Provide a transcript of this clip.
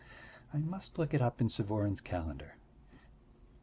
I must look it up in Suvorin's calendar.